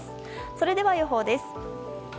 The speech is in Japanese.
それでは予報です。